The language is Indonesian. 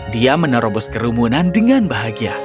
dia menerobos kerumunan dengan bahagia